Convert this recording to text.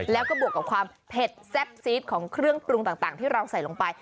แล้วก็บวกกับความเผ็ดแซ่บซีดของเครื่องปรุงต่างที่เราใส่ลงไป